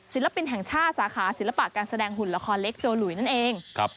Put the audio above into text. ศิลปินแห่งชาติสาขาศิลปะการแสดงหุ่นละครเล็กโจหลุยนั่นเองครับ